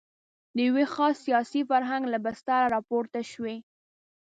د یوه خاص سیاسي فرهنګ له بستره راپورته شوې.